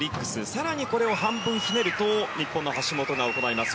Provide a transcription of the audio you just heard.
更にこれを半分ひねると日本の橋本が行います